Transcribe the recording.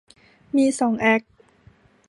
มีสองแอค